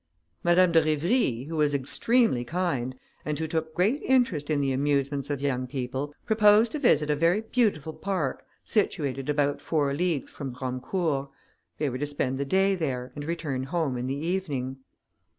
Madame de Rivry, who was extremely kind, and who took great interest in the amusements of young people, proposed to visit a very beautiful park, situated about four leagues from Romecourt; they were to spend the day there, and return home in the evening.